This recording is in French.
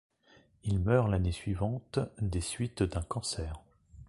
Il meurt l'année suivante des suites d'un cancer.